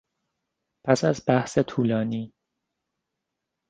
پس از بحث طولانی